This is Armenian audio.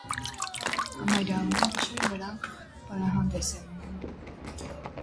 Համարյա ամեն գիշեր նրանք պարահանդես են ունենում։